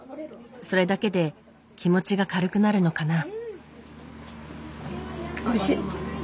それだけで気持ちが軽くなるのかな。